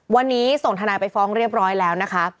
วันนี้ส่งทนายไปฟ้องเรียบร้อยแล้วนะคะ